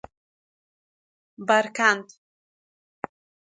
برکند